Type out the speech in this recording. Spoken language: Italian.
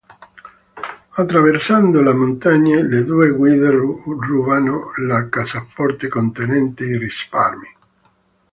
Attraversando le montagne, le due guide rubano la cassaforte contenente i risparmi.